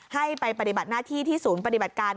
ให้ไปปฏิบัติหน้าที่ที่ศูนย์ปฏิบัติการ